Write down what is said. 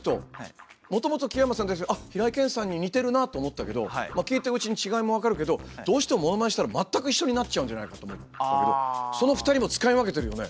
もともと木山さんって平井堅さんに似てるなって思ったけどまあ聴いているうちに違いも分かるけどどうしてもモノマネしたら全く一緒になっちゃうんじゃないかと思ったけどその２人も使い分けてるよね？